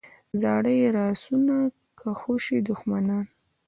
زړه یې راسو کا خوشي دښمنان.